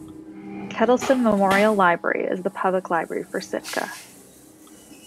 Kettleson Memorial Library is the public library for Sitka.